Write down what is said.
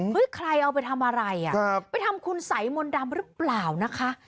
ใครเอาไปทำอะไรไปทำคุณสัยมนต์ดำหรือเปล่านะคะ